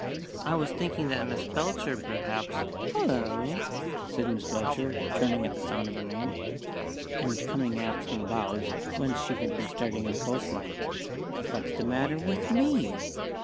"I was thinking that Miss Belcher, perhaps " "Hallo!" said Miss Belcher, turning at the sound of her name, and coming aft from the bows, whence she had been studying the coastline. "What's the matter with _me?